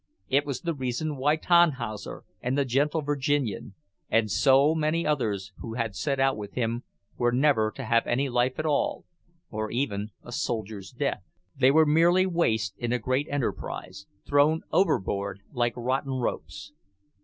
It was the reason why Tannhauser and the gentle Virginian, and so many others who had set out with him, were never to have any life at all, or even a soldier's death. They were merely waste in a great enterprise, thrown overboard like rotten ropes.